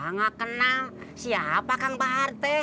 nggak kenal siapa kang bahar teh